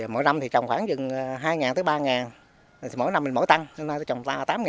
mỗi năm trồng khoảng dừng hai ba mỗi năm mình mỗi tăng nên trồng tám